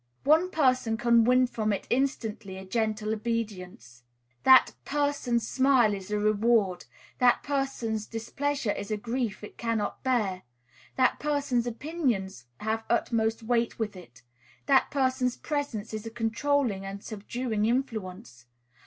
One person can win from it instantly a gentle obedience: that person's smile is a reward, that person's displeasure is a grief it cannot bear, that person's opinions have utmost weight with it, that person's presence is a controlling and subduing influence.